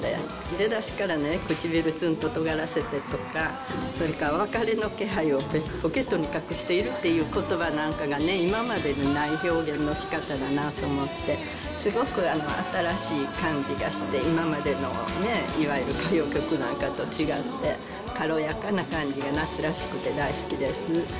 出だしからね、くちびるつんと尖らせてとか、それから別れの気配をポケットにかくしてなんていうことばなんかがね、今までにない表現のしかただなと思って、すごく新しい感じがして、今までのいわゆる歌謡曲なんかと違って、軽やかな感じが夏らしくて大好きです。